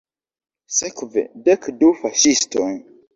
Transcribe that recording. Sekve, dek du faŝistoj.